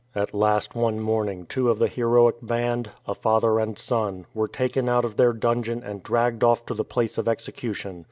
At last one morning two of the heroic band, a father and son, were taken out of their dungeon and dragged off to the place of execution.